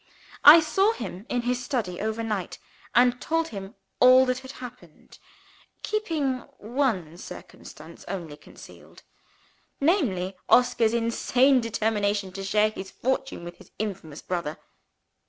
I saw him in his study overnight, and told him all that had happened; keeping one circumstance only concealed namely, Oscar's insane determination to share his fortune with his infamous brother.